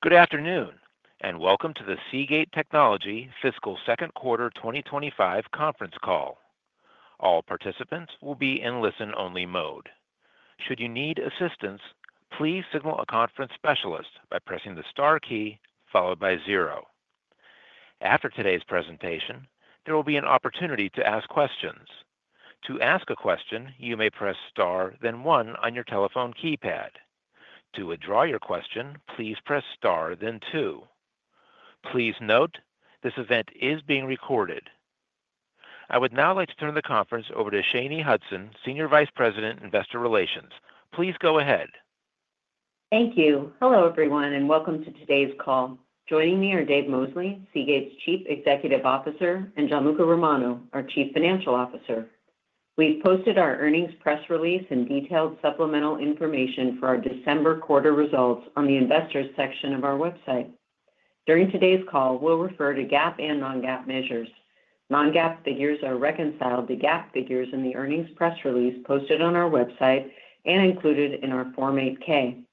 Good afternoon, and welcome to the Seagate Technology fiscal second quarter 2025 conference call. All participants will be in listen-only mode. Should you need assistance, please signal a conference specialist by pressing the star key followed by zero. After today's presentation, there will be an opportunity to ask questions. To ask a question, you may press star, then one on your telephone keypad. To withdraw your question, please press star, then two. Please note, this event is being recorded. I would now like to turn the conference over to Shanye Hudson, Senior Vice President, Investor Relations. Please go ahead. Thank you. Hello, everyone, and welcome to today's call. Joining me are Dave Mosley, Seagate's Chief Executive Officer, and Gianluca Romano, our Chief Financial Officer. We've posted our earnings press release and detailed supplemental information for our December quarter results on the investors' section of our website. During today's call, we'll refer to GAAP and Non-GAAP measures. Non-GAAP figures are reconciled to GAAP figures in the earnings press release posted on our website and included in our Form 8-K.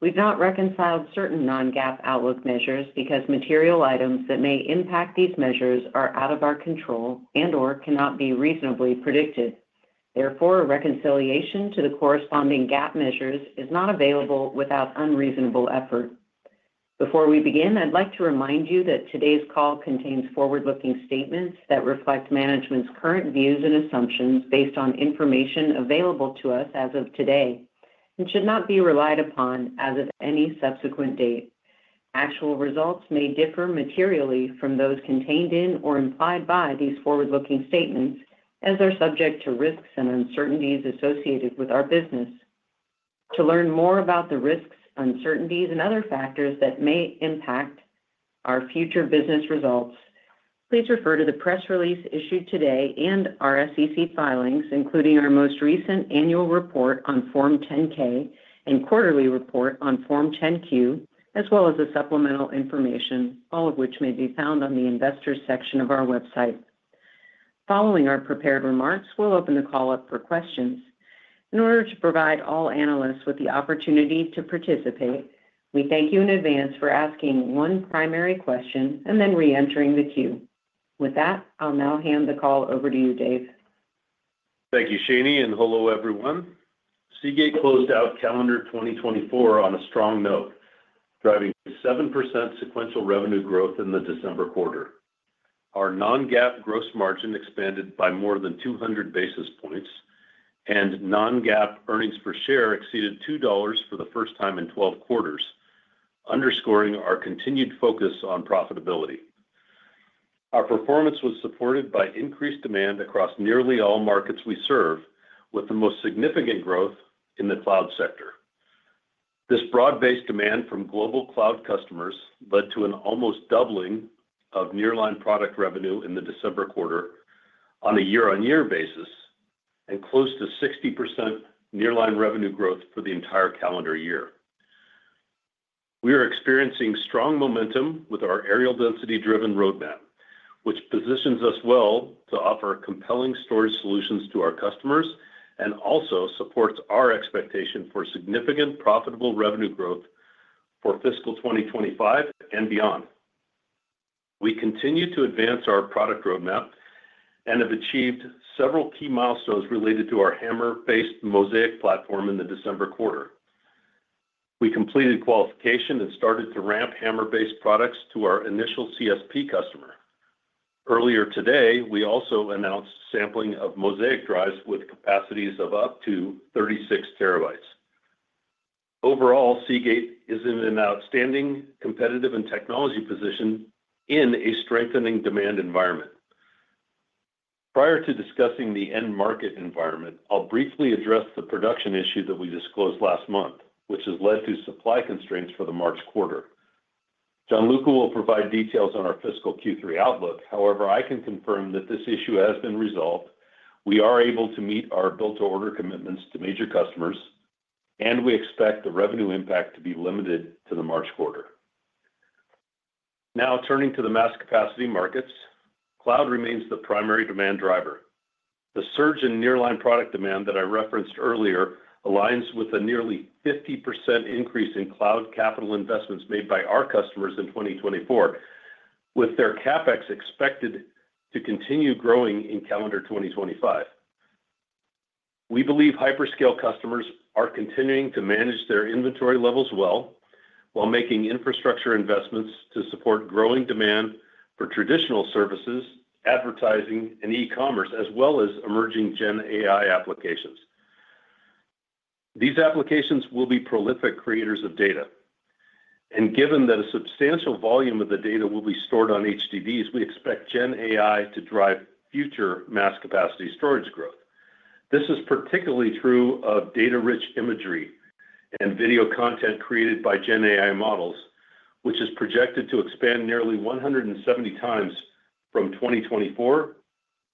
We've not reconciled certain Non-GAAP outlook measures because material items that may impact these measures are out of our control and/or cannot be reasonably predicted. Therefore, reconciliation to the corresponding GAAP measures is not available without unreasonable effort. Before we begin, I'd like to remind you that today's call contains forward-looking statements that reflect management's current views and assumptions based on information available to us as of today and should not be relied upon as of any subsequent date. Actual results may differ materially from those contained in or implied by these forward-looking statements, as they're subject to risks and uncertainties associated with our business. To learn more about the risks, uncertainties, and other factors that may impact our future business results, please refer to the press release issued today and our SEC filings, including our most recent annual report on Form 10-K and quarterly report on Form 10-Q, as well as the supplemental information, all of which may be found on the investors' section of our website. Following our prepared remarks, we'll open the call up for questions. In order to provide all analysts with the opportunity to participate, we thank you in advance for asking one primary question and then re-entering the queue. With that, I'll now hand the call over to you, Dave. Thank you, Shanye, and hello, everyone. Seagate closed out calendar 2024 on a strong note, driving 7% sequential revenue growth in the December quarter. Our non-GAAP gross margin expanded by more than 200 bps, and non-GAAP earnings per share exceeded $2 for the first time in 12 quarters, underscoring our continued focus on profitability. Our performance was supported by increased demand across nearly all markets we serve, with the most significant growth in the cloud sector. This broad-based demand from global cloud customers led to an almost doubling of nearline product revenue in the December quarter on a year-on-year basis and close to 60% nearline revenue growth for the entire calendar year. We are experiencing strong momentum with our areal density-driven roadmap, which positions us well to offer compelling storage solutions to our customers and also supports our expectation for significant profitable revenue growth for fiscal 2025 and beyond. We continue to advance our product roadmap and have achieved several key milestones related to our HAMR-based Mozaic platform in the December quarter. We completed qualification and started to ramp HAMR-based products to our initial CSP customer. Earlier today, we also announced sampling of Mozaic drives with capacities of up to 36 TB. Overall, Seagate is in an outstanding competitive and technology position in a strengthening demand environment. Prior to discussing the end market environment, I'll briefly address the production issue that we disclosed last month, which has led to supply constraints for the March quarter. Gianluca will provide details on our fiscal Q3 outlook. However, I can confirm that this issue has been resolved. We are able to meet our build-to-order commitments to major customers, and we expect the revenue impact to be limited to the March quarter. Now, turning to the mass capacity markets, cloud remains the primary demand driver. The surge in nearline product demand that I referenced earlier aligns with a nearly 50% increase in cloud capital investments made by our customers in 2024, with their CapEx expected to continue growing in calendar 2025. We believe hyperscale customers are continuing to manage their inventory levels well while making infrastructure investments to support growing demand for traditional services, advertising, and e-commerce, as well as emerging Gen AI applications. These applications will be prolific creators of data. And given that a substantial volume of the data will be stored on HDDs, we expect Gen AI to drive future mass capacity storage growth. This is particularly true of data-rich imagery and video content created by Gen AI models, which is projected to expand nearly 170 times from 2024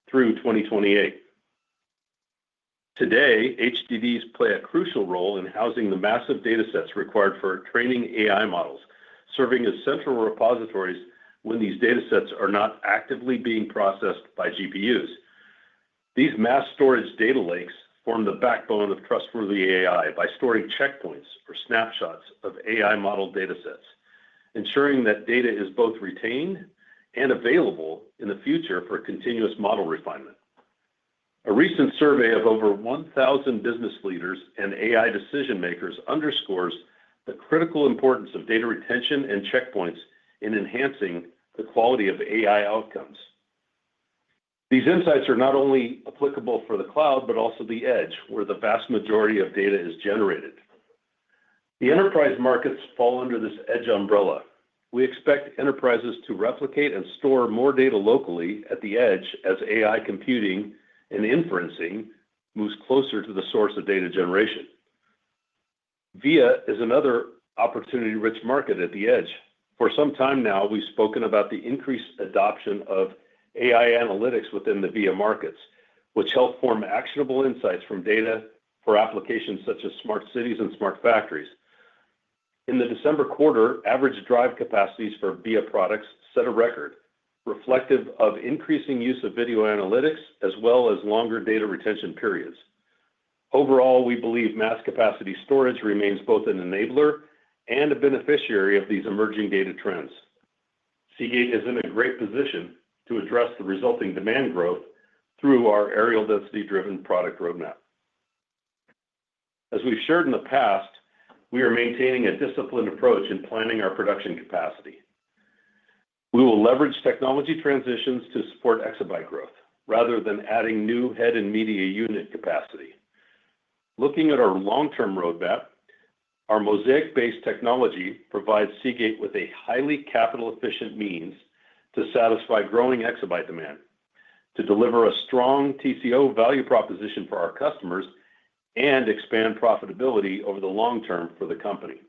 through 2028. Today, HDDs play a crucial role in housing the massive datasets required for training AI models, serving as central repositories when these datasets are not actively being processed by GPUs. These mass storage data lakes form the backbone of trustworthy AI by storing checkpoints or snapshots of AI-modeled datasets, ensuring that data is both retained and available in the future for continuous model refinement. A recent survey of over 1,000 business leaders and AI decision-makers underscores the critical importance of data retention and checkpoints in enhancing the quality of AI outcomes. These insights are not only applicable for the cloud, but also the edge, where the vast majority of data is generated. The enterprise markets fall under this edge umbrella. We expect enterprises to replicate and store more data locally at the edge as AI computing and inferencing moves closer to the source of data generation. VIA is another opportunity-rich market at the edge. For some time now, we've spoken about the increased adoption of AI analytics within the VIA markets, which help form actionable insights from data for applications such as smart cities and smart factories. In the December quarter, average drive capacities for VIA products set a record, reflective of increasing use of video analytics as well as longer data retention periods. Overall, we believe mass capacity storage remains both an enabler and a beneficiary of these emerging data trends. Seagate is in a great position to address the resulting demand growth through our areal density-driven product roadmap. As we've shared in the past, we are maintaining a disciplined approach in planning our production capacity. We will leverage technology transitions to support exabyte growth rather than adding new head and media unit capacity. Looking at our long-term roadmap, our Mozaic-based technology provides Seagate with a highly capital-efficient means to satisfy growing exabyte demand, to deliver a strong TCO value proposition for our customers, and expand profitability over the long term for the company.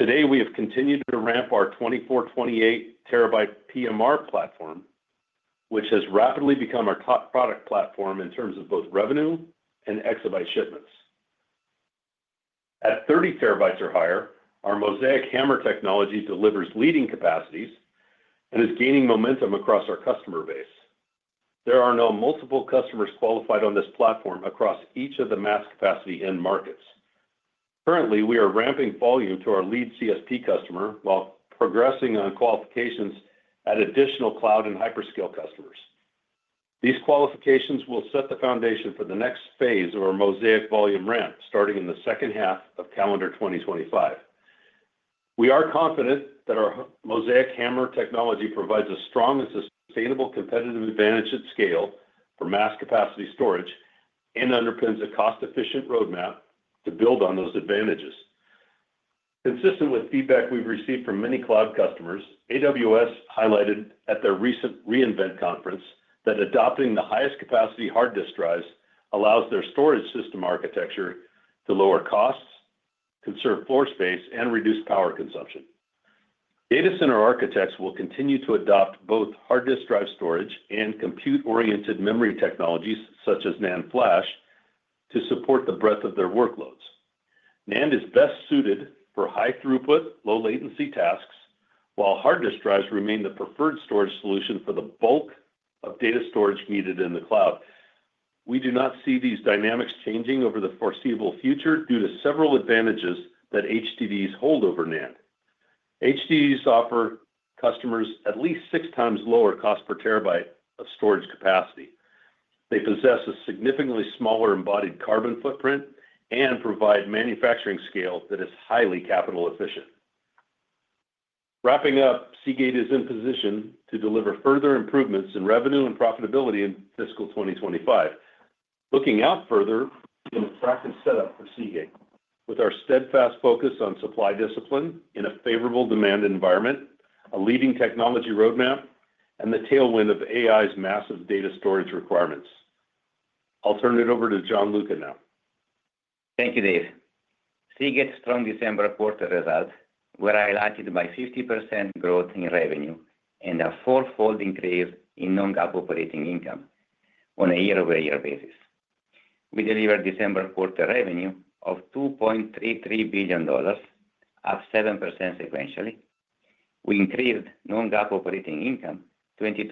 Today, we have continued to ramp our 24 TB, 28 TB PMR platform, which has rapidly become our top product platform in terms of both revenue and exabyte shipments. At 30 TB or higher, our Mozaic HAMR technology delivers leading capacities and is gaining momentum across our customer base. There are now multiple customers qualified on this platform across each of the mass capacity end markets. Currently, we are ramping volume to our lead CSP customer while progressing on qualifications at additional cloud and hyperscale customers. These qualifications will set the foundation for the next phase of our Mozaic volume ramp starting in the second half of calendar 2025. We are confident that our Mozaic HAMR technology provides a strong and sustainable competitive advantage at scale for mass capacity storage and underpins a cost-efficient roadmap to build on those advantages. Consistent with feedback we've received from many cloud customers, AWS highlighted at their recent re:Invent conference that adopting the highest capacity hard disk drives allows their storage system architecture to lower costs, conserve floor space, and reduce power consumption. Data center architects will continue to adopt both hard disk drive storage and compute-oriented memory technologies such as NAND flash to support the breadth of their workloads. NAND is best suited for high-throughput, low-latency tasks, while hard disk drives remain the preferred storage solution for the bulk of data storage needed in the cloud. We do not see these dynamics changing over the foreseeable future due to several advantages that HDDs hold over NAND. HDDs offer customers at least six times lower cost per terabyte of storage capacity. They possess a significantly smaller embodied carbon footprint and provide manufacturing scale that is highly capital-efficient. Wrapping up, Seagate is in position to deliver further improvements in revenue and profitability in fiscal 2025. Looking out further, we can attract a setup for Seagate with our steadfast focus on supply discipline in a favorable demand environment, a leading technology roadmap, and the tailwind of AI's massive data storage requirements. I'll turn it over to Gianluca now. Thank you, Dave. Seagate's strong December quarter results, where we achieved a 50% growth in revenue and a four-fold increase in non-GAAP operating income on a year-over-year basis. We delivered December quarter revenue of $2.33 billion, up 7% sequentially. We increased non-GAAP operating income 22%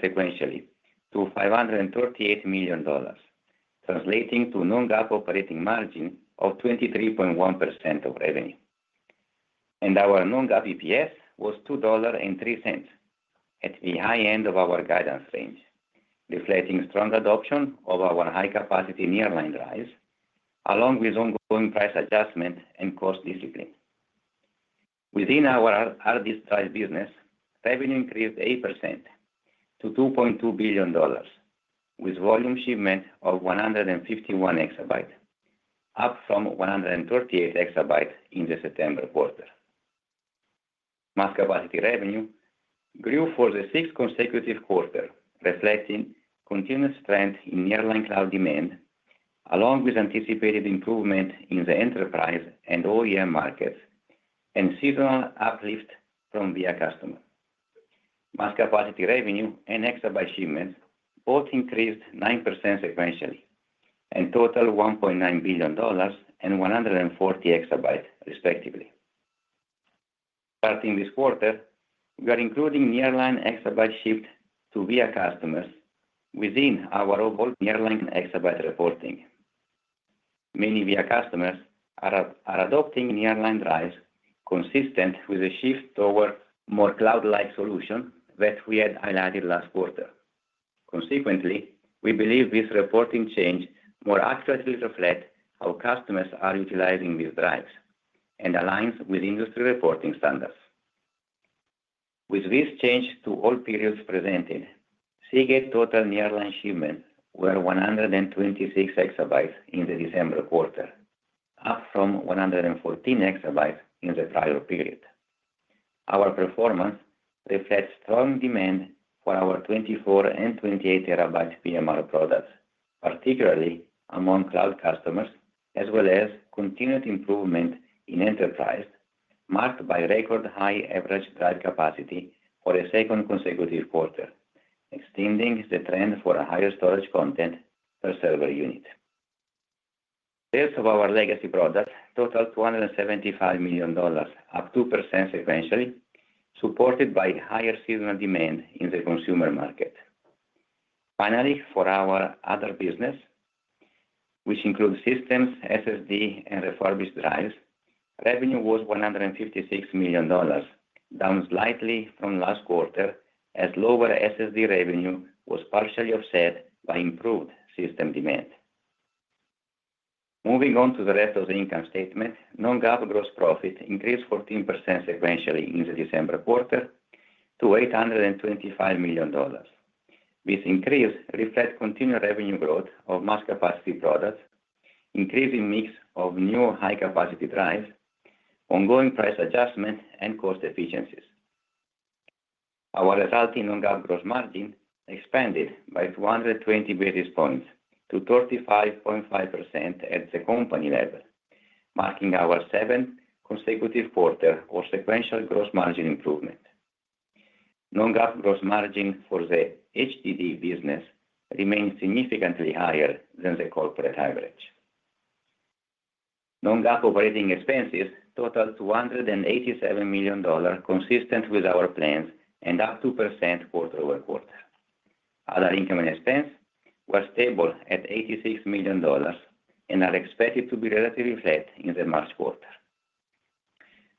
sequentially to $538 million, translating to a non-GAAP operating margin of 23.1% of revenue. Our non-GAAP EPS was $2.03 at the high end of our guidance range, reflecting strong adoption of our high-capacity nearline drives, along with ongoing price adjustment and cost discipline. Within our hard disk drive business, revenue increased 8% to $2.2 billion, with volume shipment of 151 EB, up from 138 EB in the September quarter. Mass capacity revenue grew for the sixth consecutive quarter, reflecting continuous strength in nearline cloud demand, along with anticipated improvement in the enterprise and OEM markets and seasonal uplift from VIA customers. Mass capacity revenue and exabyte shipments both increased 9% sequentially and totaled $1.9 billion and 140 EB, respectively. Starting this quarter, we are including nearline exabyte shipments to VIA customers within our overall nearline exabyte reporting. Many VIA customers are adopting nearline drives, consistent with a shift toward a more cloud-like solution that we had highlighted last quarter. Consequently, we believe this reporting change more accurately reflects how customers are utilizing these drives and aligns with industry reporting standards. With this change to all periods presented, Seagate's total nearline shipments were 126 EB in the December quarter, up from 114 EB in the prior period. Our performance reflects strong demand for our 24 TB and 28 TB PMR products, particularly among cloud customers, as well as continued improvement in enterprise, marked by record high average drive capacity for a second consecutive quarter, extending the trend for a higher storage content per server unit. Sales of our legacy products totaled $275 million, up 2% sequentially, supported by higher seasonal demand in the consumer market. Finally, for our other business, which includes systems, SSD, and refurbished drives, revenue was $156 million, down slightly from last quarter, as lower SSD revenue was partially offset by improved system demand. Moving on to the rest of the income statement, non-GAAP gross profit increased 14% sequentially in the December quarter to $825 million. This increase reflects continued revenue growth of mass capacity products, increasing mix of new high-capacity drives, ongoing price adjustment, and cost efficiencies. Our resulting Non-GAAP gross margin expanded by 220 bps to 35.5% at the company level, marking our seventh consecutive quarter of sequential gross margin improvement. Non-GAAP gross margin for the HDD business remains significantly higher than the corporate average. Non-GAAP operating expenses totaled $287 million, consistent with our plans and up 2% quarter over quarter. Other income and expense were stable at $86 million and are expected to be relatively flat in the March quarter.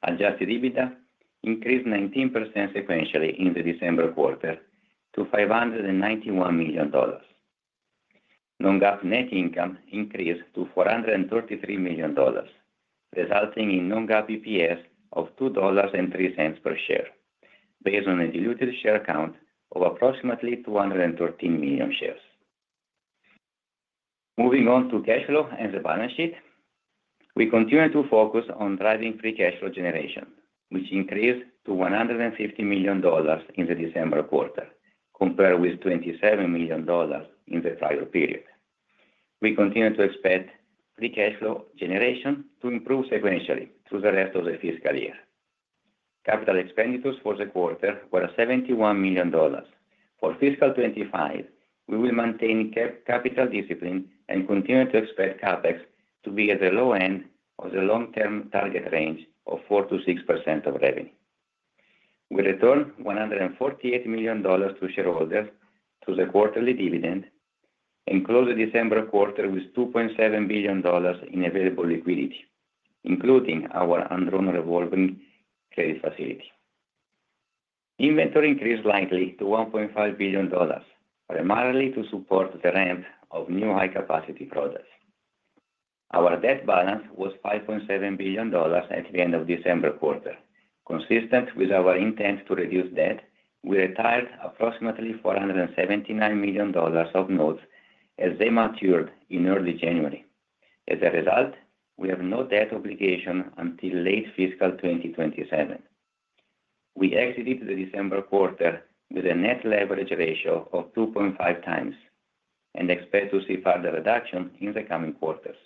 Adjusted EBITDA increased 19% sequentially in the December quarter to $591 million. Non-GAAP net income increased to $433 million, resulting in Non-GAAP EPS of $2.03 per share, based on a diluted share count of approximately 213 million shares. Moving on to cash flow and the balance sheet, we continue to focus on driving free cash flow generation, which increased to $150 million in the December quarter, compared with $27 million in the prior period. We continue to expect free cash flow generation to improve sequentially through the rest of the fiscal year. Capital expenditures for the quarter were $71 million. For fiscal 2025, we will maintain capital discipline and continue to expect CapEx to be at the low end of the long-term target range of 4% to 6% of revenue. We returned $148 million to shareholders through the quarterly dividend and closed the December quarter with $2.7 billion in available liquidity, including our undrawn revolving credit facility. Inventory increased slightly to $1.5 billion, primarily to support the ramp of new high-capacity products. Our debt balance was $5.7 billion at the end of December quarter. Consistent with our intent to reduce debt, we retired approximately $479 million of notes as they matured in early January. As a result, we have no debt obligation until late fiscal 2027. We exited the December quarter with a net leverage ratio of 2.5 times and expect to see further reduction in the coming quarters.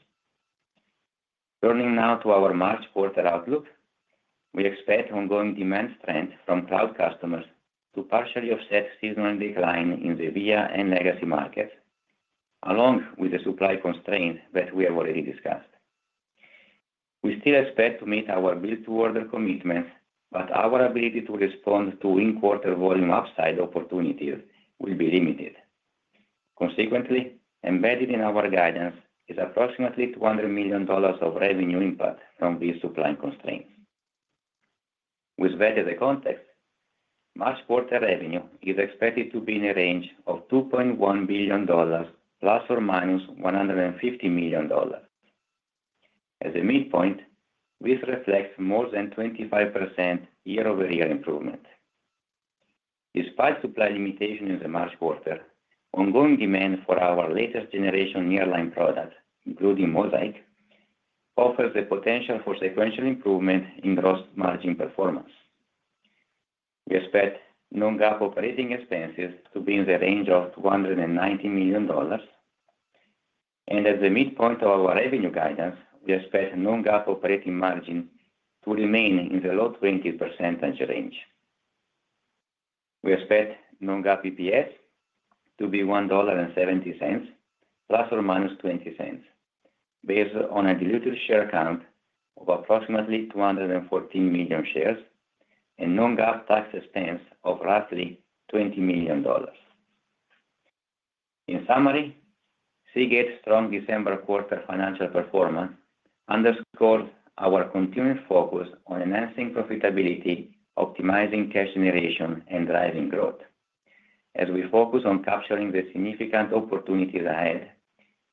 Turning now to our March quarter outlook, we expect ongoing demand strength from cloud customers to partially offset seasonal decline in the VIA and legacy markets, along with the supply constraints that we have already discussed. We still expect to meet our build-to-order commitments, but our ability to respond to in-quarter volume upside opportunities will be limited. Consequently, embedded in our guidance is approximately $200 million of revenue impact from these supply constraints. With that as a context, March quarter revenue is expected to be in a range of $2.1 billion, + or -$150 million. As a midpoint, this reflects more than 25% year-over-year improvement. Despite supply limitation in the March quarter, ongoing demand for our latest generation nearline products, including Mozaic, offers the potential for sequential improvement in gross margin performance. We expect non-GAAP operating expenses to be in the range of $290 million. As a midpoint of our revenue guidance, we expect non-GAAP operating margin to remain in the low 20% range. We expect non-GAAP EPS to be $1.70, + or -$0.20, based on a diluted share count of approximately 214 million shares and non-GAAP tax expense of roughly $20 million. In summary, Seagate's strong December quarter financial performance underscores our continued focus on enhancing profitability, optimizing cash generation, and driving growth. As we focus on capturing the significant opportunities ahead,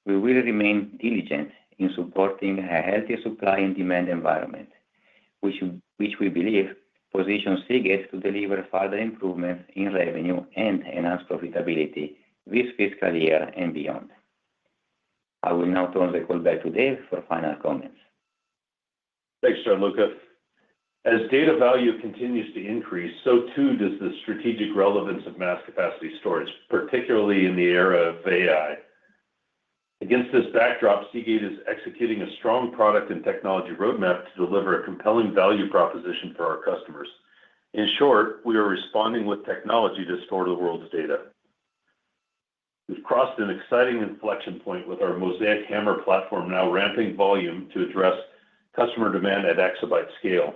we will remain diligent in supporting a healthy supply and demand environment, which we believe positions Seagate to deliver further improvements in revenue and enhance profitability this fiscal year and beyond. I will now turn the call back to Dave for final comments. Thanks, Gianluca. As data value continues to increase, so too does the strategic relevance of mass capacity storage, particularly in the era of AI. Against this backdrop, Seagate is executing a strong product and technology roadmap to deliver a compelling value proposition for our customers. In short, we are responding with technology to store the world's data. We've crossed an exciting inflection point with our Mozaic HAMR platform, now ramping volume to address customer demand at exabyte scale.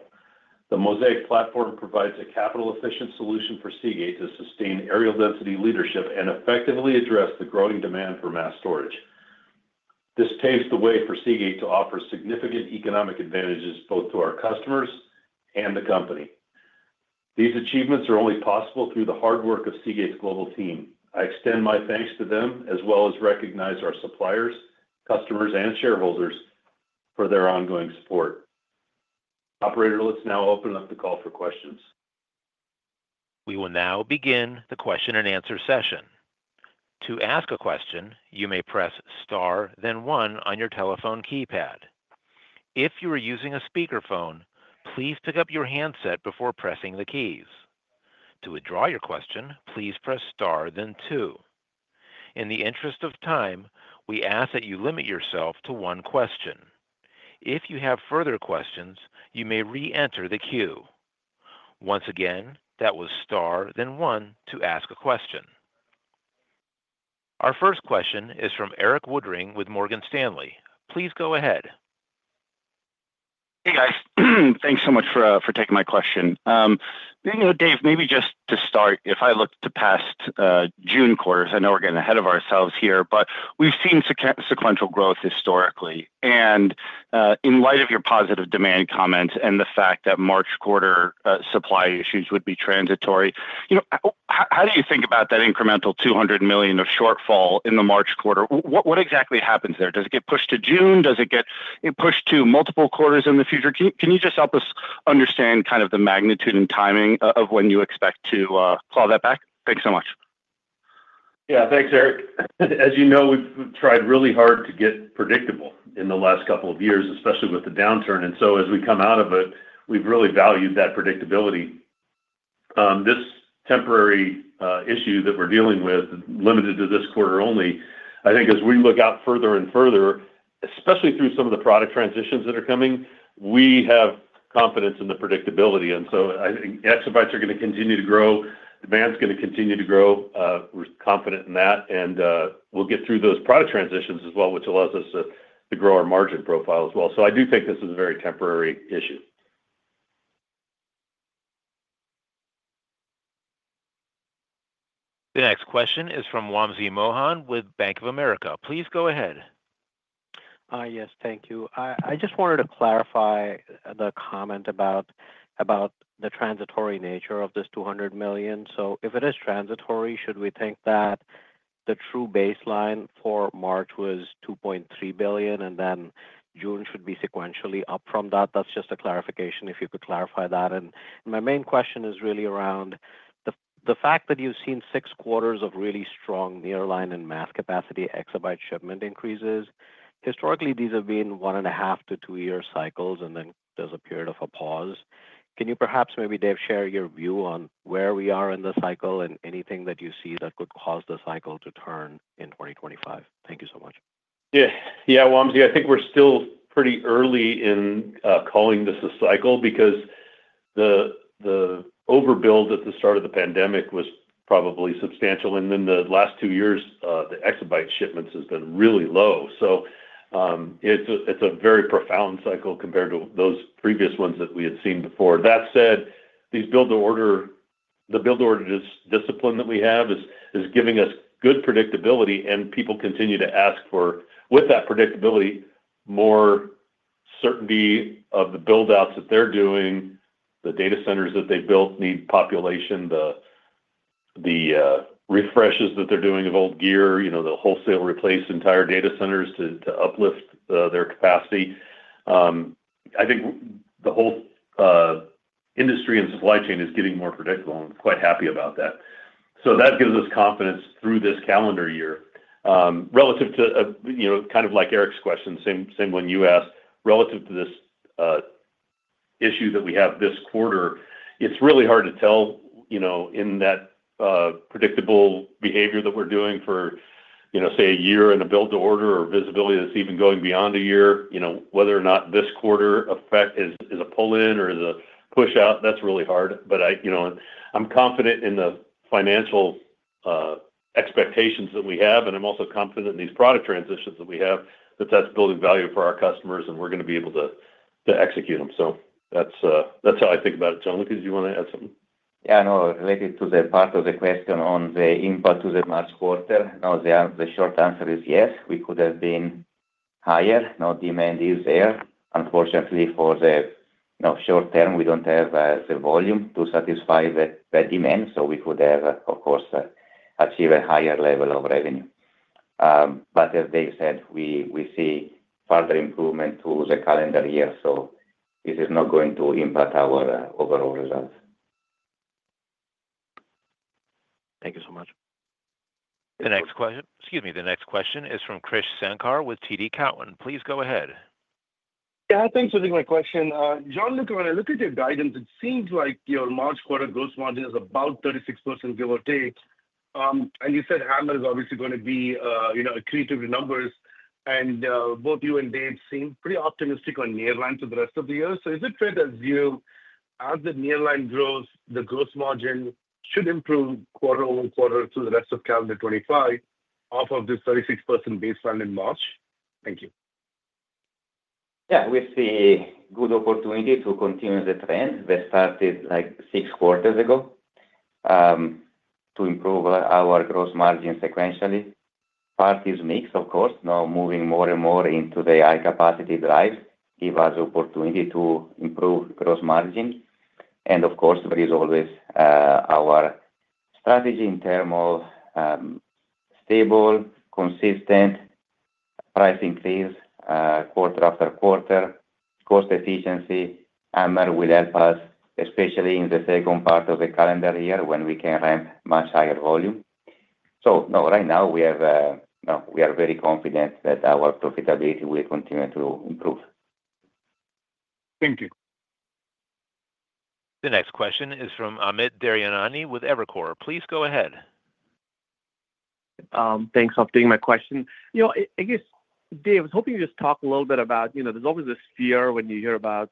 The Mozaic platform provides a capital-efficient solution for Seagate to sustain areal density leadership and effectively address the growing demand for mass storage. This paves the way for Seagate to offer significant economic advantages both to our customers and the company. These achievements are only possible through the hard work of Seagate's global team. I extend my thanks to them, as well as recognize our suppliers, customers, and shareholders for their ongoing support. Operator, let's now open up the call for questions. We will now begin the question-and-answer session. To ask a question, you may press star, then one on your telephone keypad. If you are using a speakerphone, please pick up your handset before pressing the keys. To withdraw your question, please press star, then two. In the interest of time, we ask that you limit yourself to one question. If you have further questions, you may re-enter the queue. Once again, that was star, then one to ask a question. Our first question is from Eric Woodring with Morgan Stanley. Please go ahead. Hey, guys. Thanks so much for taking my question. Dave, maybe just to start, if I look to past June quarters, I know we're getting ahead of ourselves here, but we've seen sequential growth historically. And in light of your positive demand comments and the fact that March quarter supply issues would be transitory, how do you think about that incremental $200 million of shortfall in the March quarter? What exactly happens there? Does it get pushed to June? Does it get pushed to multiple quarters in the future? Can you just help us understand kind of the magnitude and timing of when you expect to claw that back? Thanks so much. Yeah, thanks, Eric. As you know, we've tried really hard to get predictable in the last couple of years, especially with the downturn, and so as we come out of it, we've really valued that predictability. This temporary issue that we're dealing with, limited to this quarter only, I think as we look out further and further, especially through some of the product transitions that are coming, we have confidence in the predictability, and so I think exabytes are going to continue to grow. Demand's going to continue to grow. We're confident in that, and we'll get through those product transitions as well, which allows us to grow our margin profile as well, so I do think this is a very temporary issue. The next question is from Wamsi Mohan with Bank of America. Please go ahead. Yes, thank you. I just wanted to clarify the comment about the transitory nature of this $200 million. So if it is transitory, should we think that the true baseline for March was $2.3 billion, and then June should be sequentially up from that? That's just a clarification, if you could clarify that. And my main question is really around the fact that you've seen six quarters of really strong nearline and mass capacity exabyte shipment increases. Historically, these have been one and a half to two-year cycles, and then there's a period of a pause. Can you perhaps, maybe, Dave, share your view on where we are in the cycle and anything that you see that could cause the cycle to turn in 2025? Thank you so much. Yeah, Wamsi, I think we're still pretty early in calling this a cycle because the overbuild at the start of the pandemic was probably substantial. And then the last two years, the exabyte shipments have been really low. So it's a very profound cycle compared to those previous ones that we had seen before. That said, the build order discipline that we have is giving us good predictability, and people continue to ask for, with that predictability, more certainty of the buildouts that they're doing. The data centers that they've built need population, the refreshes that they're doing of old gear, the wholesale replace entire data centers to uplift their capacity. I think the whole industry and supply chain is getting more predictable, and we're quite happy about that. So that gives us confidence through this calendar year. Relative to kind of like Eric's question, same one you asked, relative to this issue that we have this quarter, it's really hard to tell in that predictable behavior that we're doing for, say, a year and a build-to-order or visibility that's even going beyond a year, whether or not this quarter effect is a pull-in or is a push-out, that's really hard. But I'm confident in the financial expectations that we have, and I'm also confident in these product transitions that we have that that's building value for our customers, and we're going to be able to execute them. So that's how I think about it. Gianluca, did you want to add something? Yeah, no, related to the part of the question on the impact to the March quarter, no, the short answer is yes. We could have been higher. Demand is there. Unfortunately, for the short term, we don't have the volume to satisfy the demand. So we could have, of course, achieved a higher level of revenue. But as Dave said, we see further improvement through the calendar year. So this is not going to impact our overall results. Thank you so much. The next question, excuse me, the next question is from Krish Sankar with TD Cowen. Please go ahead. Yeah, thanks for taking my question. Gianluca, when I look at your guidance, it seems like your March quarter gross margin is about 36%, give or take. And you said HAMR is obviously going to be accretive to numbers. And both you and Dave seem pretty optimistic on nearline for the rest of the year. So is it fair to assume as the nearline grows, the gross margin should improve quarter over quarter through the rest of calendar 2025 off of this 36% baseline in March? Thank you. Yeah, we see good opportunity to continue the trend. We started like six quarters ago to improve our gross margin sequentially. Part is mixed, of course, now moving more and more into the high-capacity drives give us opportunity to improve gross margin, and of course, there is always our strategy in terms of stable, consistent price increase quarter after quarter, cost efficiency. HAMR will help us, especially in the second part of the calendar year when we can ramp much higher volume. So, no, right now we are very confident that our profitability will continue to improve. Thank you. The next question is from Amit Daryanani with Evercore. Please go ahead. Thanks for taking my question. I guess, Dave, I was hoping you'd just talk a little bit about, there's always this fear when you hear about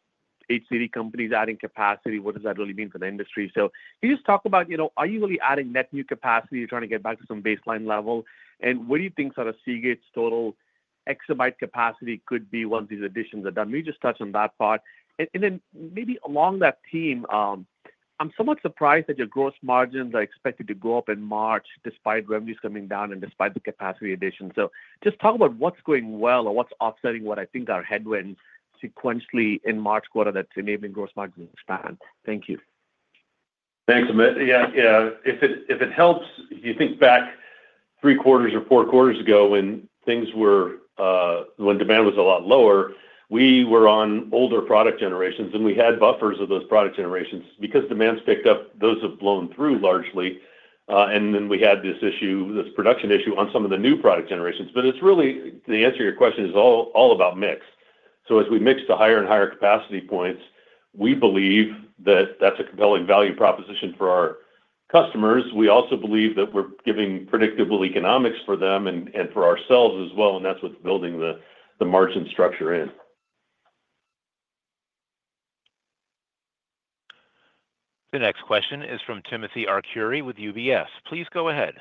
HDD companies adding capacity. What does that really mean for the industry? So can you just talk about, are you really adding that new capacity? You're trying to get back to some baseline level. And what do you think sort of Seagate's total exabyte capacity could be once these additions are done? Maybe just touch on that part. And then maybe along that theme, I'm somewhat surprised that your gross margins are expected to go up in March despite revenues coming down and despite the capacity addition. So just talk about what's going well or what's offsetting what I think are headwinds sequentially in March quarter that's enabling gross margins to expand. Thank you. Thanks, Amit. Yeah, if it helps, if you think back three quarters or four quarters ago when demand was a lot lower, we were on older product generations, and we had buffers of those product generations. Because demand's picked up, those have blown through largely. And then we had this issue, this production issue on some of the new product generations. But it's really, to answer your question, it's all about mix. So as we mix the higher and higher capacity points, we believe that that's a compelling value proposition for our customers. We also believe that we're giving predictable economics for them and for ourselves as well. And that's what's building the margin structure in. The next question is from Timothy Arcuri with UBS. Please go ahead.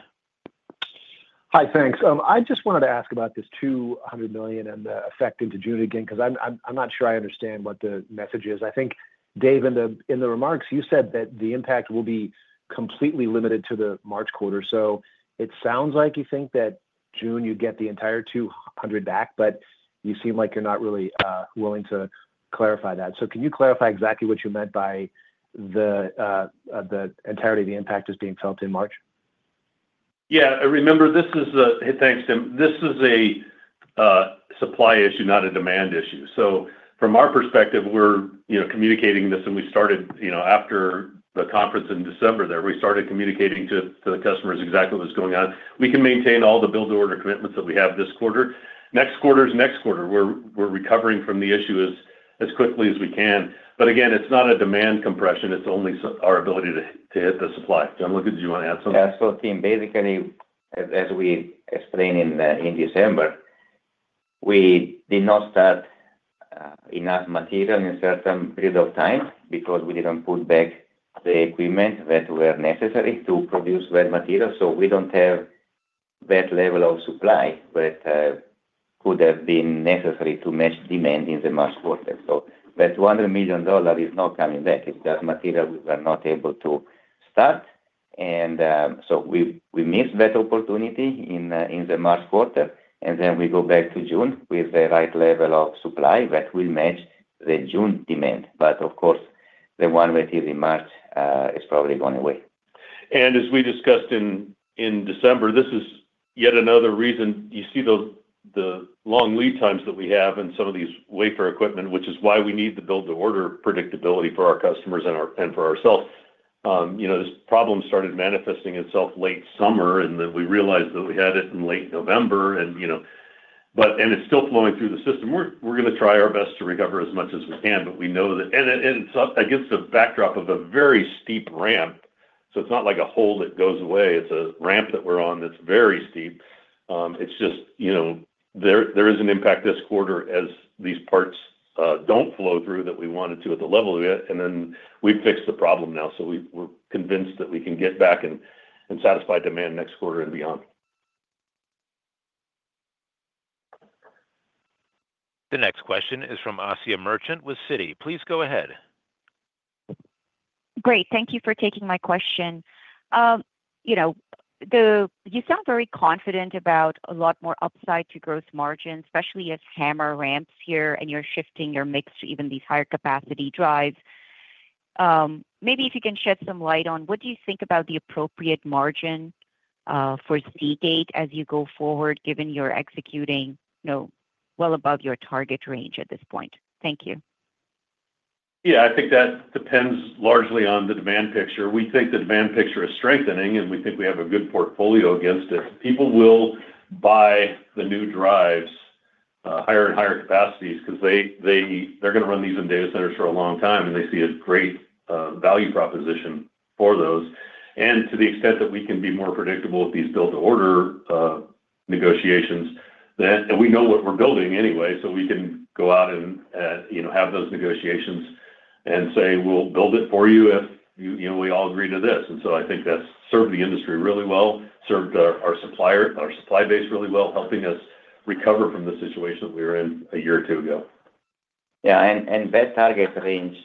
Hi, thanks. I just wanted to ask about this $200 million and the effect into June again because I'm not sure I understand what the message is. I think, Dave, in the remarks, you said that the impact will be completely limited to the March quarter. So it sounds like you think that June you get the entire $200 back, but you seem like you're not really willing to clarify that. So can you clarify exactly what you meant by the entirety of the impact is being felt in March? Yeah. Remember, this is a supply issue. Thanks, Tim. This is a supply issue, not a demand issue. So from our perspective, we're communicating this, and we started after the conference in December there. We started communicating to the customers exactly what's going on. We can maintain all the build order commitments that we have this quarter. Next quarter is next quarter. We're recovering from the issue as quickly as we can. But again, it's not a demand compression. It's only our ability to hit the supply. Gianluca, did you want to add something? Yeah, so Tim, basically, as we explained in December, we did not start enough material in a certain period of time because we didn't put back the equipment that were necessary to produce that material. So we don't have that level of supply that could have been necessary to match demand in the March quarter. So that $200 million is not coming back. It's just material we were not able to start. And so we missed that opportunity in the March quarter. And then we go back to June with the right level of supply that will match the June demand. But of course, the one that is in March is probably going away. And as we discussed in December, this is yet another reason you see the long lead times that we have in some of these wafer equipment, which is why we need the build order predictability for our customers and for ourselves. This problem started manifesting itself late summer, and then we realized that we had it in late November. And it's still flowing through the system. We're going to try our best to recover as much as we can, but we know that, and it's against the backdrop of a very steep ramp. So it's not like a hole that goes away. It's a ramp that we're on that's very steep. It's just there is an impact this quarter as these parts don't flow through that we wanted to at the level of it. And then we've fixed the problem now. So we're convinced that we can get back and satisfy demand next quarter and beyond. The next question is from Asya Merchant with Citi. Please go ahead. Great. Thank you for taking my question. You sound very confident about a lot more upside to gross margin, especially as HAMR ramps here and you're shifting your mix to even these higher capacity drives. Maybe if you can shed some light on, what do you think about the appropriate margin for Seagate as you go forward, given you're executing well above your target range at this point? Thank you. Yeah, I think that depends largely on the demand picture. We think the demand picture is strengthening, and we think we have a good portfolio against it. People will buy the new drives, higher and higher capacities because they're going to run these in data centers for a long time, and they see a great value proposition for those. And to the extent that we can be more predictable with these build-to-order negotiations, and we know what we're building anyway, so we can go out and have those negotiations and say, "We'll build it for you if we all agree to this." And so I think that's served the industry really well, served our supply base really well, helping us recover from the situation that we were in a year or two ago. Yeah. And that target range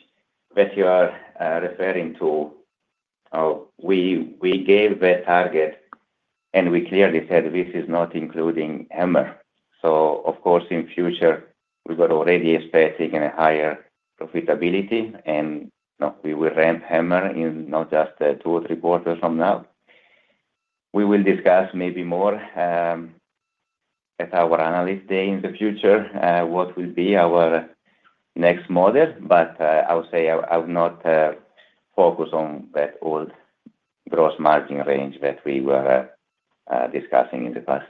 that you are referring to, we gave that target, and we clearly said this is not including HAMR. So of course, in future, we got already a static and a higher profitability. And we will ramp HAMR in not just two or three quarters from now. We will discuss maybe more at our analyst day in the future what will be our next model. But I would say I'm not focused on that old gross margin range that we were discussing in the past.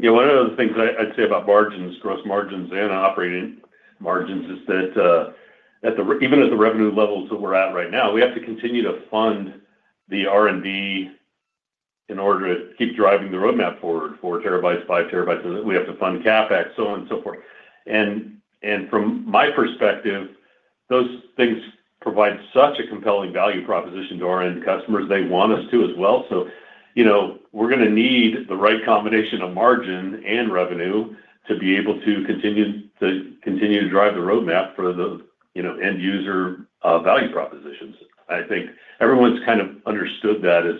Yeah. One of the things I'd say about margins, gross margins and operating margins, is that even at the revenue levels that we're at right now, we have to continue to fund the R&D in order to keep driving the roadmap forward, 4 TB, 5 TB. We have to fund CapEx, so on and so forth, and from my perspective, those things provide such a compelling value proposition to our end customers. They want us to as well, so we're going to need the right combination of margin and revenue to be able to continue to drive the roadmap for the end user value propositions. I think everyone's kind of understood that, as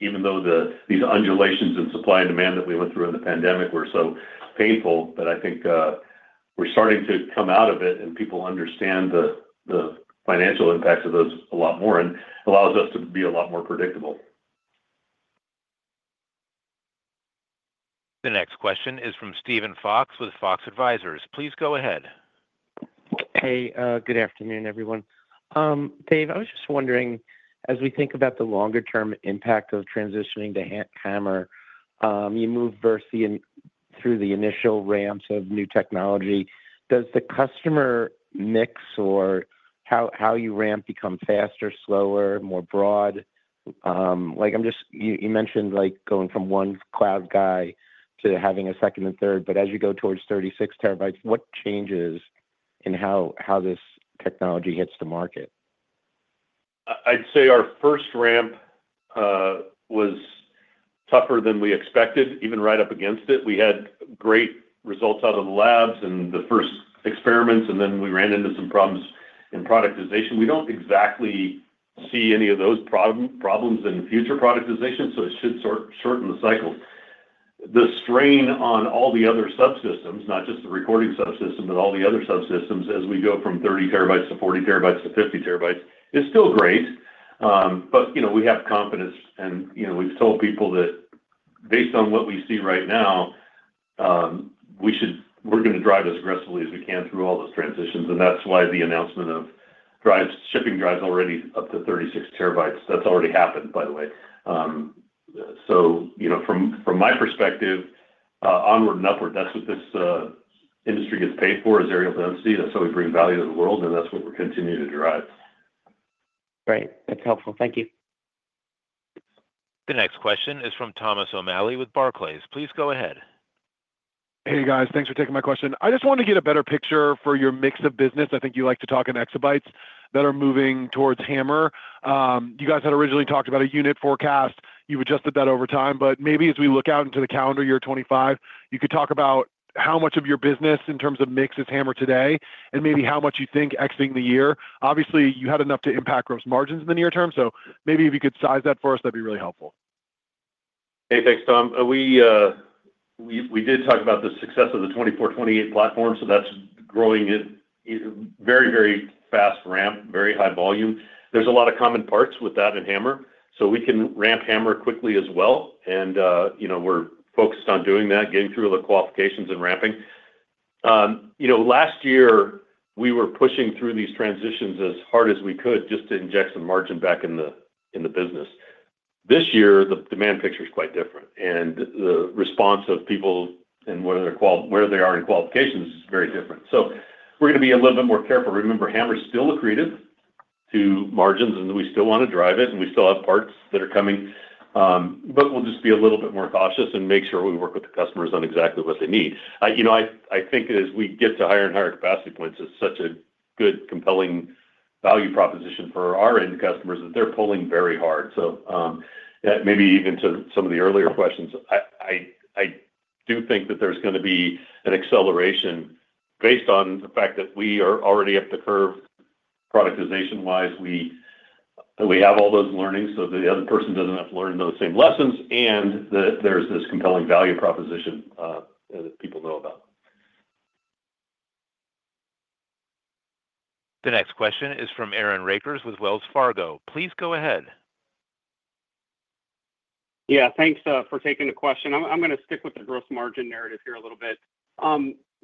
even though these undulations in supply and demand that we went through in the pandemic were so painful, but I think we're starting to come out of it, and people understand the financial impacts of those a lot more and allows us to be a lot more predictable. The next question is from Steven Fox with Fox Advisors. Please go ahead. Hey, good afternoon, everyone. Dave, I was just wondering, as we think about the longer-term impact of transitioning to HAMR, you move through the initial ramps of new technology. Does the customer mix or how you ramp become faster, slower, more broad? You mentioned going from one cloud guy to having a second and third. But as you go towards 36 TB, what changes in how this technology hits the market? I'd say our first ramp was tougher than we expected, even right up against it. We had great results out of the labs and the first experiments, and then we ran into some problems in productization. We don't exactly see any of those problems in future productization, so it should shorten the cycle. The strain on all the other subsystems, not just the recording subsystem, but all the other subsystems as we go from 30 TB to 40 TB to 50 TB is still great. But we have confidence, and we've told people that based on what we see right now, we're going to drive as aggressively as we can through all those transitions. And that's why the announcement of shipping drives already up to 36 TB. That's already happened, by the way. So from my perspective, onward and upward, that's what this industry gets paid for, is areal density. That's how we bring value to the world, and that's what we're continuing to drive. Great. That's helpful. Thank you. The next question is from Thomas O'Malley with Barclays. Please go ahead. Hey, guys. Thanks for taking my question. I just wanted to get a better picture for your mix of business. I think you like to talk in exabytes that are moving towards HAMR. You guys had originally talked about a unit forecast. You've adjusted that over time. But maybe as we look out into the calendar year 2025, you could talk about how much of your business in terms of mix is HAMR today and maybe how much you think exiting the year. Obviously, you had enough to impact gross margins in the near term. So maybe if you could size that for us, that'd be really helpful. Hey, thanks, Tom. We did talk about the success of the 24/28 platform. So that's growing at very, very fast ramp, very high volume. There's a lot of common parts with that in HAMR. So we can ramp HAMR quickly as well. And we're focused on doing that, getting through the qualifications and ramping. Last year, we were pushing through these transitions as hard as we could just to inject some margin back in the business. This year, the demand picture is quite different. And the response of people and where they are in qualifications is very different. So we're going to be a little bit more careful. Remember, HAMR's still accretive to margins, and we still want to drive it, and we still have parts that are coming. But we'll just be a little bit more cautious and make sure we work with the customers on exactly what they need. I think as we get to higher and higher capacity points, it's such a good, compelling value proposition for our end customers that they're pulling very hard. So maybe even to some of the earlier questions, I do think that there's going to be an acceleration based on the fact that we are already up the curve productization-wise. We have all those learnings so the other person doesn't have to learn those same lessons. And there's this compelling value proposition that people know about. The next question is from Aaron Rakers with Wells Fargo. Please go ahead. Yeah. Thanks for taking the question. I'm going to stick with the gross margin narrative here a little bit.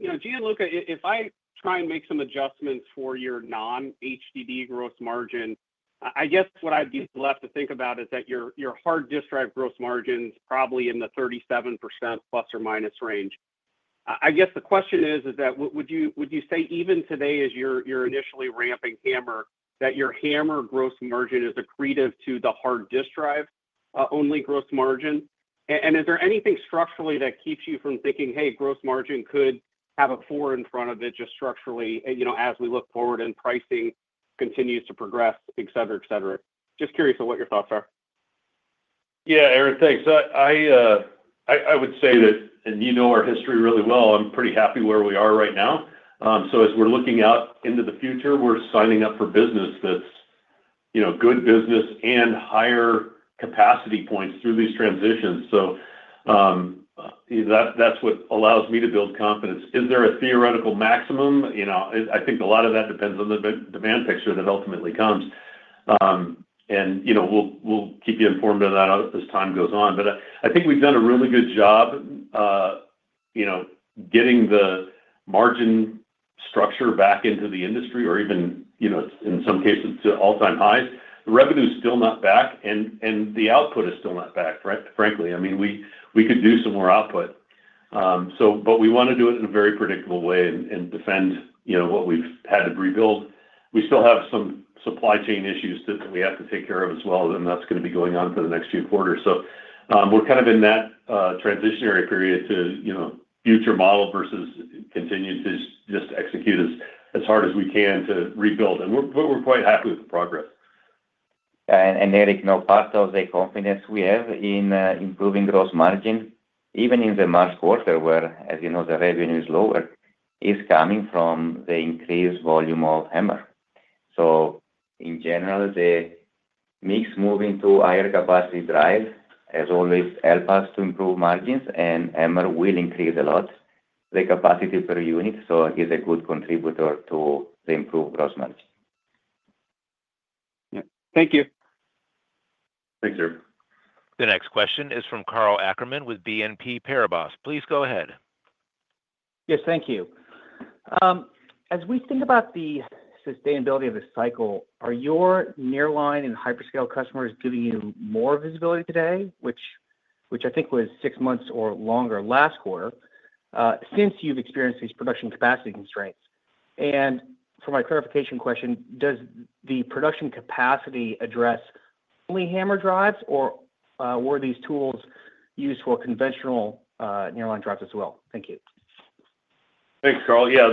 Gianluca, if I try and make some adjustments for your non-HDD gross margin, I guess what I'd be left to think about is that your hard disk drive gross margin's probably in the 37%+ or - range. I guess the question is, would you say even today, as you're initially ramping HAMR, that your HAMR gross margin is accretive to the hard disk drive-only gross margin? And is there anything structurally that keeps you from thinking, "Hey, gross margin could have a four in front of it just structurally as we look forward and pricing continues to progress," etc., etc.? Just curious of what your thoughts are. Yeah, Aaron, thanks. I would say that, and you know our history really well, I'm pretty happy where we are right now, so as we're looking out into the future, we're signing up for business that's good business and higher capacity points through these transitions, so that's what allows me to build confidence. Is there a theoretical maximum? I think a lot of that depends on the demand picture that ultimately comes, and we'll keep you informed on that as time goes on, but I think we've done a really good job getting the margin structure back into the industry, or even in some cases to all-time highs. The revenue's still not back, and the output is still not back, frankly. I mean, we could do some more output, but we want to do it in a very predictable way and defend what we've had to rebuild. We still have some supply chain issues that we have to take care of as well, and that's going to be going on for the next few quarters, so we're kind of in that transitionary period to future model versus continue to just execute as hard as we can to rebuild, and we're quite happy with the progress. And Eric knows part of the confidence we have in improving gross margin, even in the March quarter where, as you know, the revenue is lower, is coming from the increased volume of HAMR. So in general, the mix moving to higher capacity drive, as always, helps us to improve margins, and HAMR will increase a lot the capacity per unit. So it is a good contributor to the improved gross margin. Yeah. Thank you. Thanks, Aaron. The next question is from Karl Ackerman with BNP Paribas. Please go ahead. Yes, thank you. As we think about the sustainability of the cycle, are your nearline and hyperscale customers giving you more visibility today, which I think was six months or longer last quarter, since you've experienced these production capacity constraints? And for my clarification question, does the production capacity address only HAMR drives, or were these tools used for conventional nearline drives as well? Thank you. Thanks, Karl. Yeah.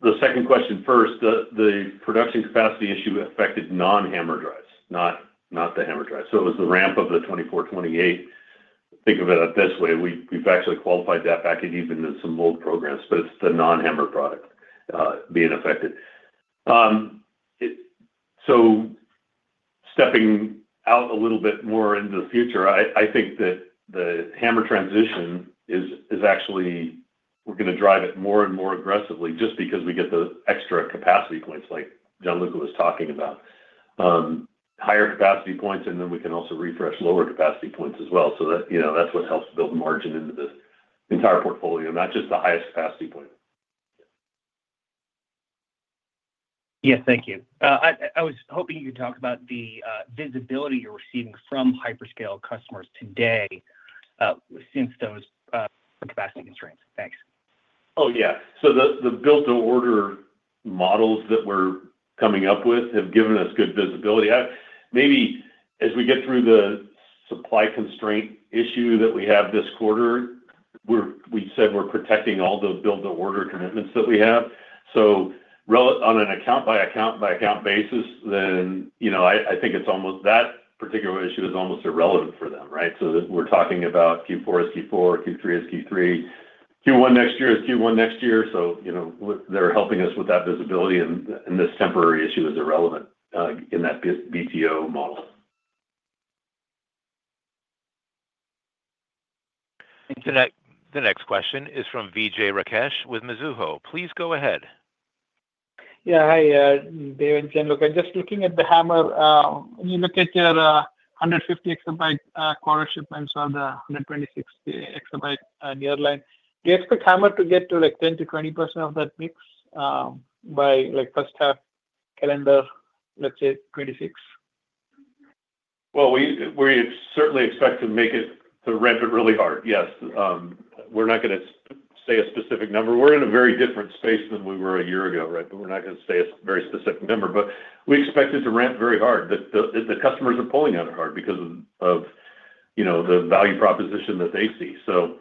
The second question first, the production capacity issue affected non-HAMR drives, not the HAMR drives. So it was the ramp of the 24/28. Think of it this way. We've actually qualified that back in even some old programs, but it's the non-HAMR product being affected. So stepping out a little bit more into the future, I think that the HAMR transition is actually we're going to drive it more and more aggressively just because we get the extra capacity points like Gianluca was talking about. Higher capacity points, and then we can also refresh lower capacity points as well. So that's what helps build margin into the entire portfolio, not just the highest capacity point. Yes, thank you. I was hoping you could talk about the visibility you're receiving from hyperscale customers today since those capacity constraints? Thanks. Oh, yeah. So the build-to-order models that we're coming up with have given us good visibility. Maybe as we get through the supply constraint issue that we have this quarter, we said we're protecting all the build-to-order commitments that we have. So on an account-by-account-by-account basis, then I think it's almost that particular issue is almost irrelevant for them, right? So we're talking about Q4 is Q4, Q3 is Q3, Q1 next year is Q1 next year. So they're helping us with that visibility, and this temporary issue is irrelevant in that BTO model. The next question is from Vijay Rakesh with Mizuho. Please go ahead. Yeah. Hi, Dave and Gianluca. Just looking at the HAMR, when you look at your 150 EB quarter shipments or the 126 EB nearline, do you expect HAMR to get to 10% to 20% of that mix by first half calendar, let's say 2026? We certainly expect to make it to ramp it really hard, yes. We're not going to say a specific number. We're in a very different space than we were a year ago, right? But we're not going to say a very specific number. But we expect it to ramp very hard. The customers are pulling on it hard because of the value proposition that they see. So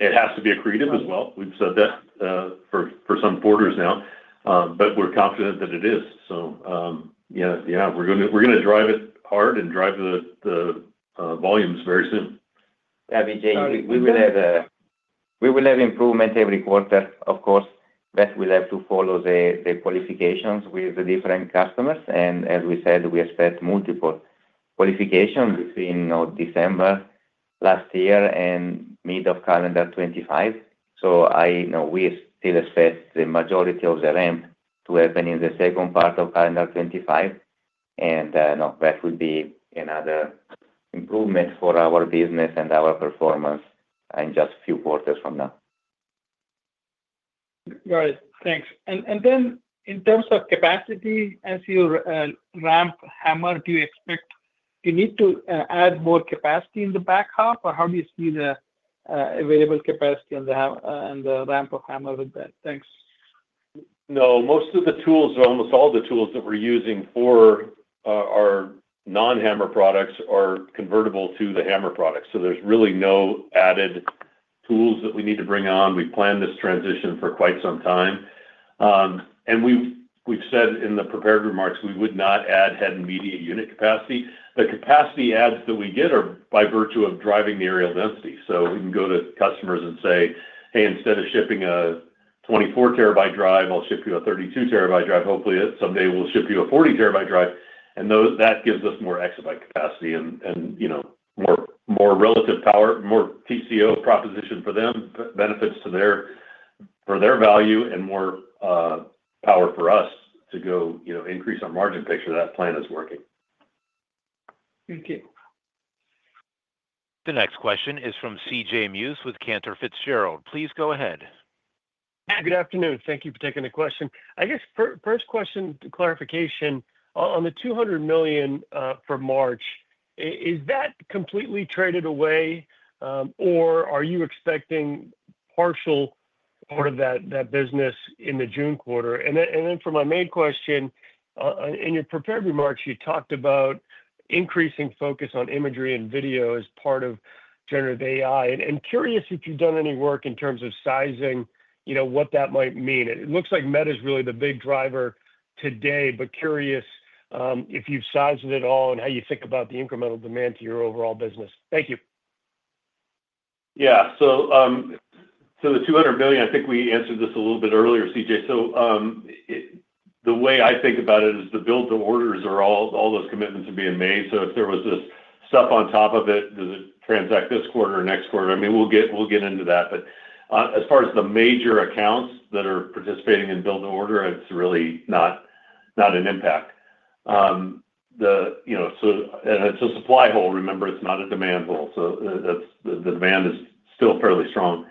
it has to be accretive as well. We've said that for some quarters now, but we're confident that it is. So yeah, we're going to drive it hard and drive the volumes very soon. Yeah, Vijay, we will have improvement every quarter, of course. But we'll have to follow the qualifications with the different customers. And as we said, we expect multiple qualifications between December last year and mid of calendar 2025. So we still expect the majority of the ramp to happen in the second part of calendar 2025. And that would be another improvement for our business and our performance in just a few quarters from now. Got it. Thanks. And then in terms of capacity, as you ramp HAMR, do you expect you need to add more capacity in the back half, or how do you see the available capacity on the ramp of HAMR with that? Thanks. No. Most of the tools, or almost all the tools that we're using for our non-HAMR products, are convertible to the HAMR products. So there's really no added tools that we need to bring on. We planned this transition for quite some time. And we've said in the prepared remarks we would not add head and media unit capacity. The capacity adds that we get are by virtue of driving the areal density. So we can go to customers and say, "Hey, instead of shipping a 24 TB drive, I'll ship you a 32 TB drive. Hopefully, someday we'll ship you a 40 TB drive." And that gives us more exabyte capacity and more relative power, more TCO proposition for them, benefits for their value, and more power for us to go increase our margin picture. That plan is working. Thank you. The next question is from C.J. Muse with Cantor Fitzgerald. Please go ahead. Good afternoon. Thank you for taking the question. I guess first question, clarification. On the $200 million for March, is that completely traded away, or are you expecting partial part of that business in the June quarter? And then for my main question, in your prepared remarks, you talked about increasing focus on imagery and video as part of generative AI. And curious if you've done any work in terms of sizing, what that might mean. It looks like Meta is really the big driver today, but curious if you've sized it at all and how you think about the incremental demand to your overall business. Thank you. Yeah. So the 200 million, I think we answered this a little bit earlier, C.J. So the way I think about it is the build-to-orders are all those commitments are being made. So if there was this stuff on top of it, does it transact this quarter or next quarter? I mean, we'll get into that. But as far as the major accounts that are participating in build-to-order, it's really not an impact. And it's a supply hole. Remember, it's not a demand hole. So the demand is still fairly strong.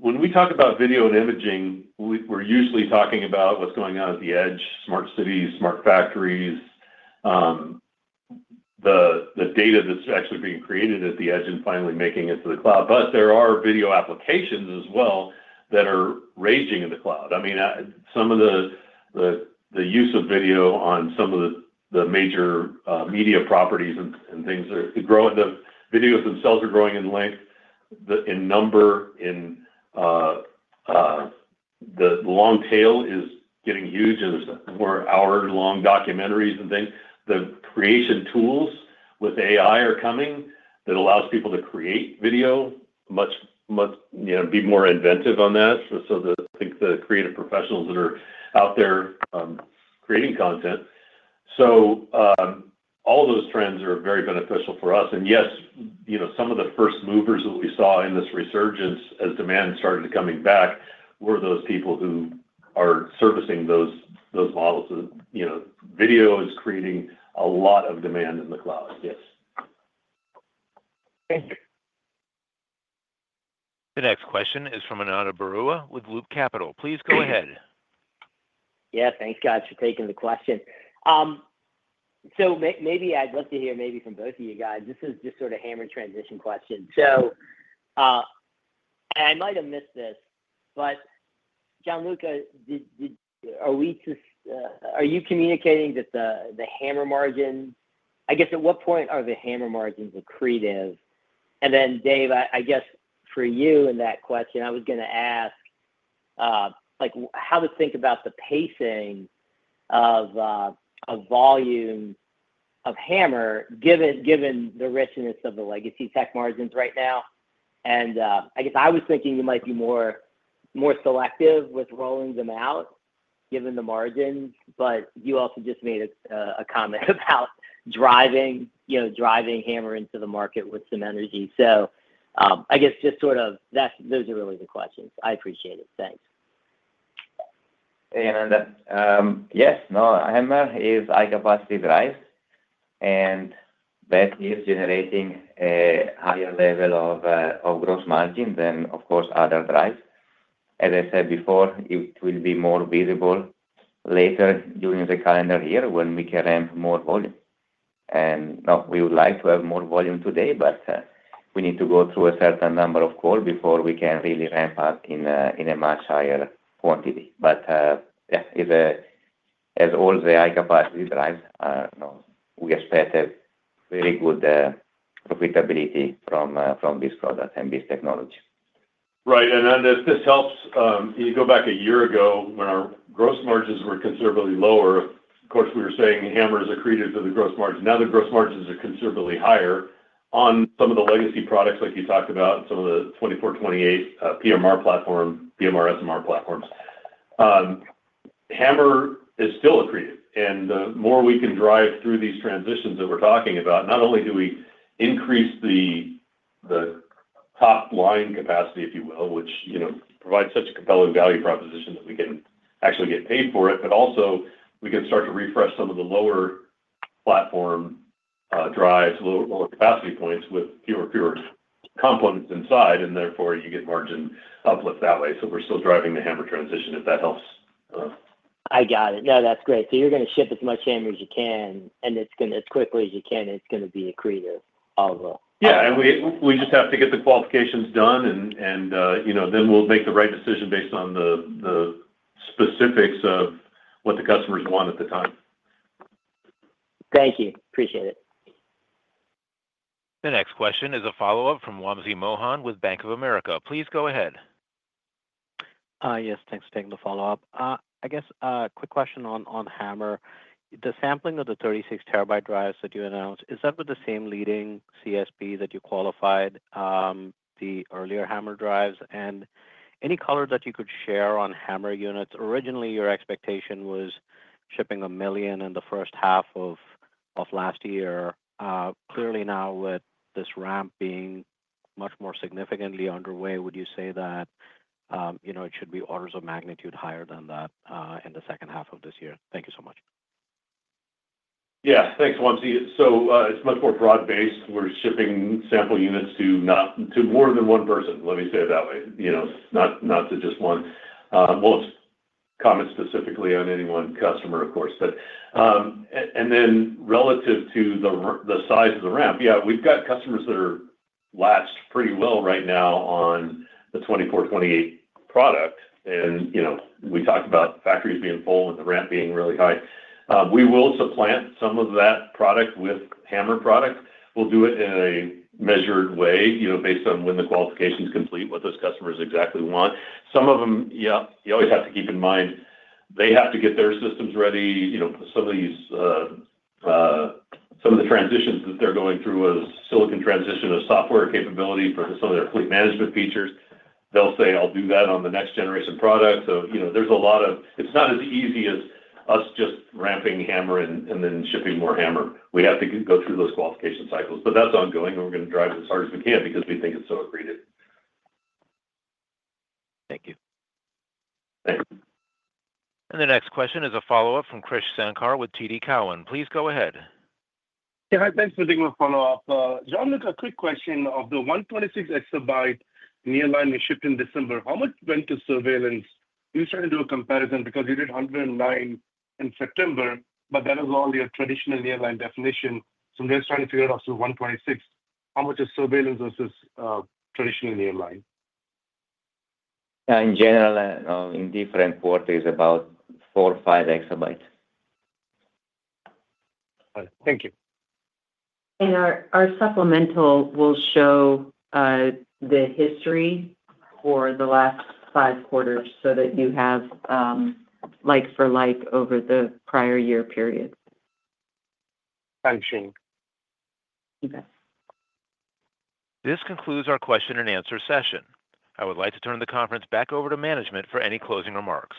When we talk about video imaging, we're usually talking about what's going on at the edge, smart cities, smart factories, the data that's actually being created at the edge and finally making it to the cloud. But there are video applications as well that are raging in the cloud. I mean, some of the use of video on some of the major media properties and things are growing. The videos themselves are growing in length, in number, in the long tail is getting huge. There's more hour-long documentaries and things. The creation tools with AI are coming that allows people to create video, be more inventive on that, so I think the creative professionals that are out there creating content, so all those trends are very beneficial for us, and yes, some of the first movers that we saw in this resurgence as demand started coming back were those people who are servicing those models. Video is creating a lot of demand in the cloud, yes. Thank you. The next question is from Ananda Baruah with Loop Capital. Please go ahead. Yeah. Thanks, guys, for taking the question. So maybe I'd love to hear maybe from both of you guys. This is just sort of HAMR transition question. So I might have missed this, but Gianluca, are you communicating that the HAMR margin I guess at what point are the HAMR margins accretive? And then, Dave, I guess for you in that question, I was going to ask how to think about the pacing of volume of HAMR given the richness of the legacy tech margins right now. And I guess I was thinking you might be more selective with rolling them out given the margins. But you also just made a comment about driving HAMR into the market with some energy. So I guess just sort of those are really the questions. I appreciate it. Thanks. And yes, no, HAMR is high-capacity drive. That is generating a higher level of gross margin than, of course, other drives. As I said before, it will be more visible later during the calendar year when we can ramp more volume. We would like to have more volume today, but we need to go through a certain number of calls before we can really ramp up in a much higher quantity. Yeah, as all the high-capacity drives, we expect a very good profitability from this product and this technology. Right, and this helps. You go back a year ago when our gross margins were considerably lower. Of course, we were saying HAMR is accretive to the gross margin. Now the gross margins are considerably higher on some of the legacy products like you talked about, some of the 24/28 PMR platform, PMR SMR platforms. HAMR is still accretive, and the more we can drive through these transitions that we're talking about, not only do we increase the top line capacity, if you will, which provides such a compelling value proposition that we can actually get paid for it, but also we can start to refresh some of the lower platform drives, lower capacity points with fewer components inside, and therefore you get margin uplift that way. So we're still driving the HAMR transition, if that helps. I got it. No, that's great. So you're going to ship as much HAMR as you can, and as quickly as you can, it's going to be accretive also. Yeah, and we just have to get the qualifications done, and then we'll make the right decision based on the specifics of what the customers want at the time. Thank you. Appreciate it. The next question is a follow-up from Wamsi Mohan with Bank of America. Please go ahead. Yes. Thanks for taking the follow-up. I guess a quick question on HAMR. The sampling of the 36 TB drives that you announced, is that with the same leading CSP that you qualified the earlier HAMR drives? And any color that you could share on HAMR units? Originally, your expectation was shipping a million in the first half of last year. Clearly, now with this ramp being much more significantly underway, would you say that it should be orders of magnitude higher than that in the second half of this year? Thank you so much. Yeah. Thanks, Wamsi. So it's much more broad-based. We're shipping sample units to more than one person, let me say it that way, not to just one. Won't comment specifically on any one customer, of course. And then relative to the size of the ramp, yeah, we've got customers that are latched pretty well right now on the 24/28 product. And we talked about factories being full and the ramp being really high. We will supplant some of that product with HAMR product. We'll do it in a measured way based on when the qualification is complete, what those customers exactly want. Some of them, you always have to keep in mind they have to get their systems ready. Some of the transitions that they're going through are silicon transition of software capability for some of their fleet management features. They'll say, "I'll do that on the next generation product." So there's a lot to it. It's not as easy as us just ramping HAMR and then shipping more HAMR. We have to go through those qualification cycles. But that's ongoing, and we're going to drive as hard as we can because we think it's so accretive. Thank you. Thanks. The next question is a follow-up from Krish Sankar with TD Cowen. Please go ahead. Yeah. Hi, thanks for taking the follow-up. Gianluca, quick question. Of the 126 EB nearline we shipped in December, how much went to surveillance? We were trying to do a comparison because we did 109 in September, but that was all your traditional nearline definition. So we're just trying to figure it out through 126. How much is surveillance versus traditional nearline? In general, in different quarters, about 4 EB or 5 EB. Thank you. Our supplemental will show the history for the last five quarters so that you have like-for-like over the prior year period. Thanks, Shanye. You bet. This concludes our question-and-answer session. I would like to turn the conference back over to management for any closing remarks.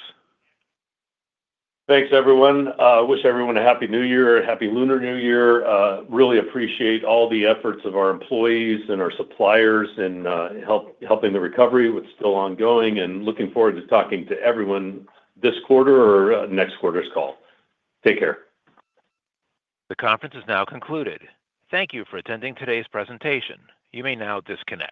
Thanks, everyone. I wish everyone a Happy New Year or Happy Lunar New Year. Really appreciate all the efforts of our employees and our suppliers in helping the recovery. It's still ongoing, and looking forward to talking to everyone this quarter or next quarter's call. Take care. The conference is now concluded. Thank you for attending today's presentation. You may now disconnect.